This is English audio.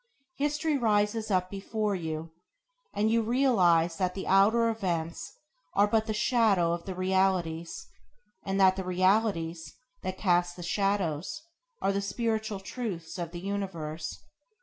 History rises up before you, and you realize that the outer events are but the shadow of the realities, and that the realities that cast the shadows are the spiritual truths of the universe.